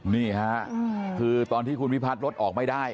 นี่ค่ะคือตอนที่คุณวิพัฒน์รถออกไม่ได้